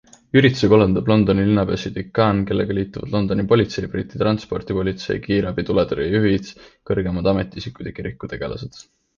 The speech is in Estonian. Ürituse korraldab Londoni linnapea Sadiq Khan, kellega liituvad Londoni politsei, Briti transpordipolitsei, kiirabi, tuletõrje juhid, kõrgemad ametiisikud ja kirikutegelased.